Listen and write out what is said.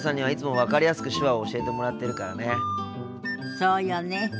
そうよね。